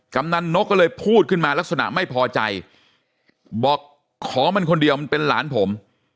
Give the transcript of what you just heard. กำนันนกก็เลยพูดขึ้นมาลักษณะไม่พอใจบอกขอมันคนเดียวมันเป็นหลานผม